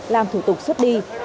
làm thủ tục xuất đi